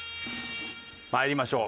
まいりましょう。